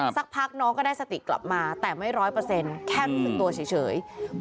สักพักน้องก็ได้สติกลับมาแต่ไม่ร้อยเปอร์เซ็นต์แค่รู้สึกตัวเฉย